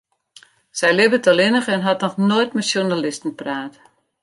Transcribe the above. Sy libbet allinnich en hat noch noait mei sjoernalisten praat.